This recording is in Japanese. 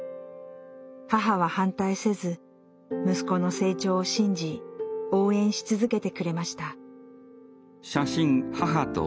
母は反対せず息子の成長を信じ応援し続けてくれました。